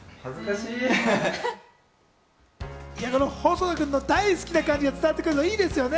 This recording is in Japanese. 細田君の大好きな感じが伝わってくるの、いいですね。